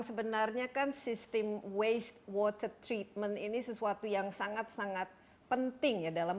sebenarnya kan sistem wastewater treatment jenis sesuatu yang sangat sangat pentingnya dalam